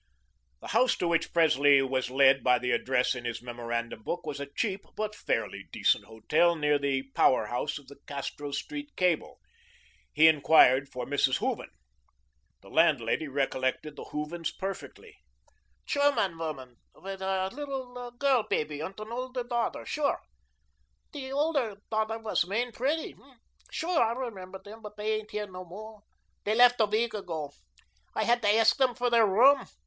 The house to which Presley was led by the address in his memorandum book was a cheap but fairly decent hotel near the power house of the Castro Street cable. He inquired for Mrs. Hooven. The landlady recollected the Hoovens perfectly. "German woman, with a little girl baby, and an older daughter, sure. The older daughter was main pretty. Sure I remember them, but they ain't here no more. They left a week ago. I had to ask them for their room.